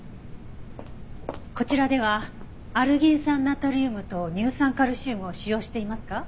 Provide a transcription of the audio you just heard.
こちらではアルギン酸ナトリウムと乳酸カルシウムを使用していますか？